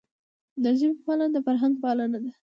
د ژبي پالنه د فرهنګ پالنه ده.